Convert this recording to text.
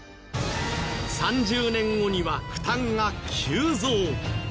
３０年後には負担が急増。